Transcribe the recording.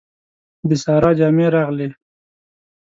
د سارا جامې راغلې.